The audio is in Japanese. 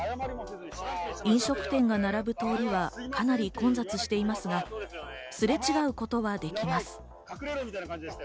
飲食店が並ぶ通りはかなり混雑していますが、すれ違うことはできます。